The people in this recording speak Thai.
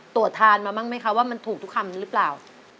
ตรวจทานมาบ้างไหมคะว่ามันถูกทุกคำหรือเปล่า